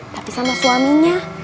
tapi sama suaminya